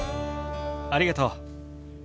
ありがとう。